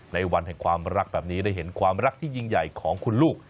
ในวันแห่งความรักแบบนี้ได้เห็นความรักที่ยิ่งใหญ่ของคุณลูก